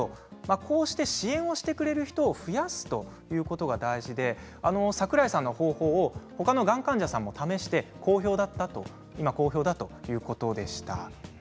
こうして支援してくれる人を増やすということが大事で桜井さんの方法を他のがん患者さんも試して今、好評だということでした。